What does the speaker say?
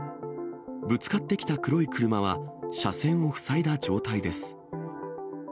ぶつかってきた黒い車は車線を塞いだ状態です。